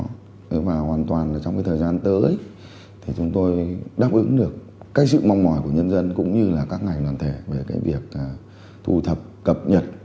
thế và hoàn toàn là trong cái thời gian tới thì chúng tôi đáp ứng được cái sự mong mỏi của nhân dân cũng như là các ngành đoàn thể về cái việc thu thập cập nhật